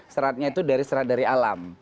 seratnya itu dari serat dari alam